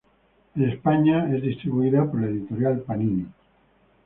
En España es distribuida por la editorial Panini.